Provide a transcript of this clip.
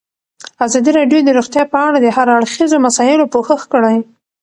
ازادي راډیو د روغتیا په اړه د هر اړخیزو مسایلو پوښښ کړی.